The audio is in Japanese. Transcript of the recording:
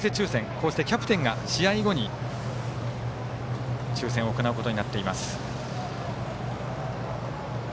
こうして、キャプテンが試合後に抽選を行うことになっています。